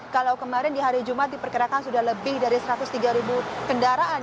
kalau kemarin di hari jumat diperkirakan sudah lebih dari satu ratus tiga ribu kendaraan